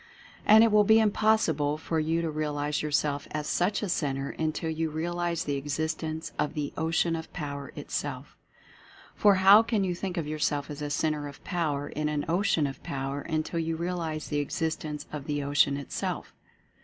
And it will be impossible for you to realize yourself as such a Centre until you realize the exist ence of the Ocean of Power itself. For how can you think of yourself as a Centre of Power, in an Ocean of Power, until you realize the existence of the Ocean itself?